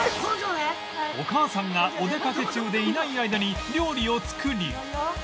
お母さんがお出かけ中でいない間に料理を作り